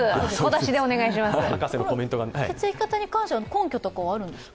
血液型に関しては、根拠はあるんですか？